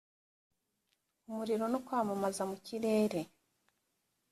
umuriro no kwamamaza mu kirere